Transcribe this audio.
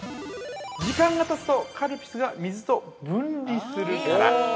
時間がたつと、カルピスが水と分離するから。